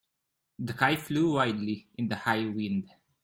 The kite flew wildly in the high wind.